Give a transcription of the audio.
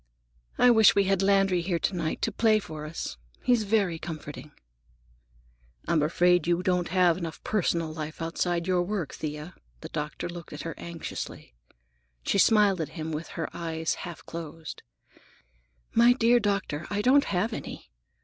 I wish we had Landry here to night to play for us. He's very comforting." "I'm afraid you don't have enough personal life, outside your work, Thea." The doctor looked at her anxiously. She smiled at him with her eyes half closed. "My dear doctor, I don't have any.